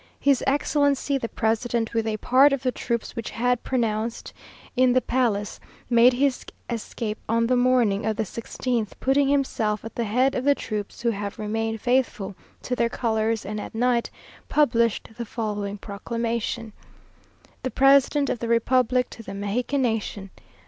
His Excellency the President, with a part of the troops which had pronounced in the palace, made his escape on the morning of the sixteenth, putting himself at the head of the troops who have remained faithful to their colours, and at night published the following proclamation:" "_The President of the Republic to the Mexican Nation.